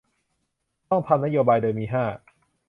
ต้องทำนโยบาย โดยมี ห้า